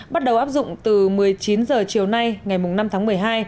bắt đầu áp dụng từ một mươi chín h chiều nay ngày năm tháng một mươi hai